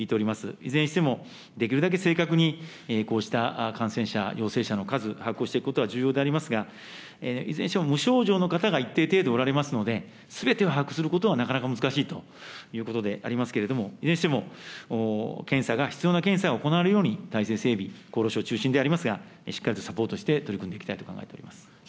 いずれにしても、できるだけ正確にこうした感染者、陽性者の数、把握をしていくことが重要でありますが、いずれにしても無症状の方が一定程度おられますので、すべてを把握することはなかなか難しいということでありますけれども、いずれにしても、検査が、必要な検査が行われるように、体制整備、厚労省中心でありますが、しっかりとサポートして取り組んでいきたいと考えております。